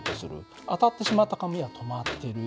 当たってしまった紙は止まってる。